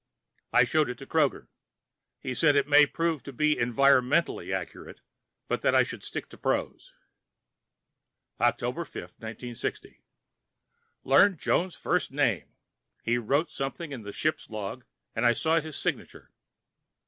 _ I showed it to Kroger. He says it may prove to be environmentally accurate, but that I should stick to prose. October 5, 1960 Learned Jones' first name. He wrote something in the ship's log, and I saw his signature.